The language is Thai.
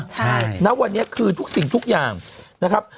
ใช่ณวันนี้คือทุกสิ่งทุกอย่างนะครับ